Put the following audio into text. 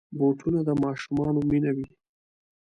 بوټونه د ماشومانو مینه وي.